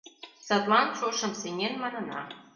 Садлан «Шошым сеҥен» манына.